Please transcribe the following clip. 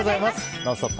「ノンストップ！」